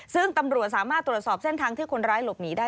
ซึ่งตำรวจสามารถตรวจสอบเส้นทางที่คนร้ายหลบหนีได้